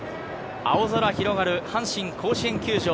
青空広がる阪神甲子園球場。